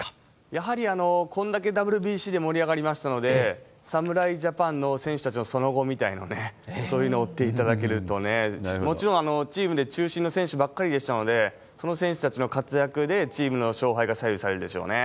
やはりこんだけＷＢＣで盛り上がりましたので、侍ジャパンの選手たちのその後みたいなのをね、そういうのを追っていただけるとね、もちろんチームで中心の選手ばっかりでしたので、その選手たちの活躍でチームの勝敗が左右されるでしょうね。